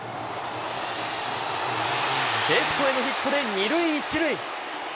レフトへのヒットで２塁１塁。